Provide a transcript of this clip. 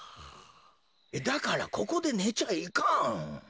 だからここでねちゃいかん。